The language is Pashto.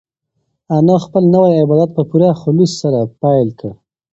انا خپل نوی عبادت په پوره خلوص سره پیل کړ.